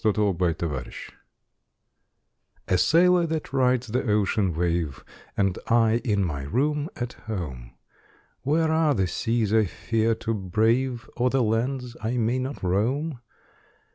THE SAILOR A sailor that rides the ocean wave, Am I in my room at home : Where are the seas I iear to brave. Or the lands I may not roam?